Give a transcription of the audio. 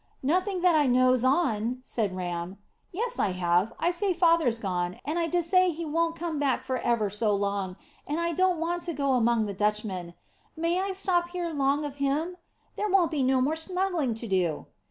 "Nothing that I knows on," said Ram. "Yes, I have. I say father's gone, and I dessay he won't come back for ever so long, and I don't want to go among the Dutchmen. May I stop here 'long of him? There won't be no more smuggling to do."